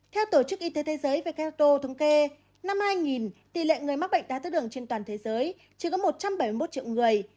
theo tổ chức y tế thế giới về keto thống kê năm hai nghìn tỷ lệ người mắc bệnh đáy thác đường trên toàn thế giới chỉ có một trăm bảy mươi một triệu người